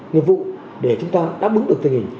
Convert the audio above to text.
nghiệp vụ để chúng ta đáp ứng được tình hình